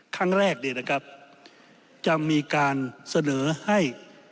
ครั้งแรกเนี่ยนะครับจะมีการเสนอให้